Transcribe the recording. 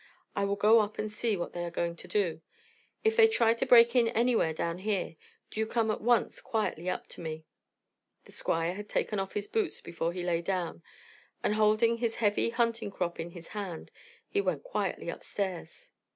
I will go up and see what they are going to do. If they try to break in anywhere down here, do you come at once quietly up to me." The Squire had taken off his boots before he lay down, and, holding his heavy hunting crop in his hand, he went quietly upstairs.